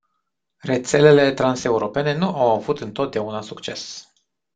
Rețelele transeuropene nu au avut întotdeauna succes.